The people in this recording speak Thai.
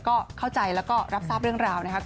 ก็เข้าใจแล้วก็รับทราบเรื่องราวนะครับ